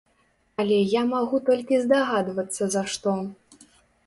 Але я магу толькі здагадвацца за што.